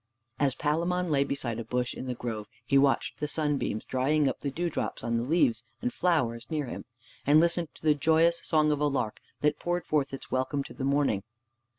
As Palamon lay beside a bush in the grove, he watched the sunbeams drying up the dew drops on the leaves and flowers near him, and listened to the joyous song of a lark that poured forth its welcome to the morning.